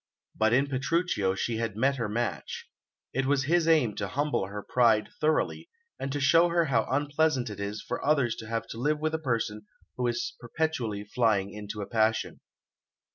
But in Petruchio she had met her match. It was his aim to humble her pride thoroughly, and to show her how unpleasant it is for others to have to live with a person who is perpetually flying into a passion.